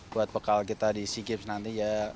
buat bekal kita di sea games nanti ya